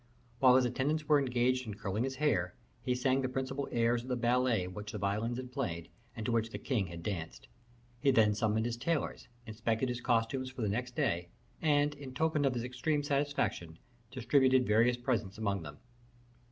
While his attendants were engaged in curling his hair, he sang the principal airs of the ballet which the violins had played, and to which the king had danced. He then summoned his tailors, inspected his costumes for the next day, and, in token of his extreme satisfaction, distributed various presents among them.